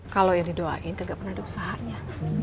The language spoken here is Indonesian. kalau yang didoain tidak pernah ada usahanya